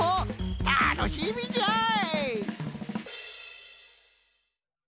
たのしみじゃい！